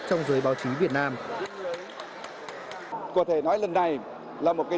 trong các cuộc chiến đấu